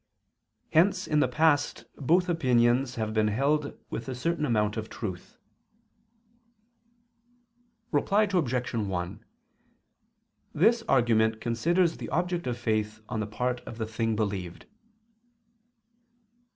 Hence in the past both opinions have been held with a certain amount of truth. Reply Obj. 1: This argument considers the object of faith on the part of the thing believed.